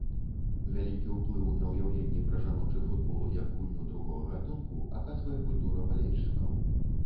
Вялікі ўплыў на ўяўленні пра жаночы футбол як гульню другога гатунку аказвае культура балельшчыкаў.